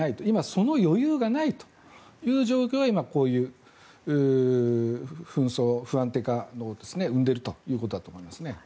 その余裕がないという状況がこういう紛争、不安定化を生んでいるということだと思いますね。